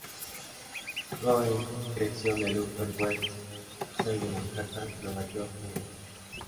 Cohen creció en el Upper West Side de Manhattan, Nueva York, Nueva York.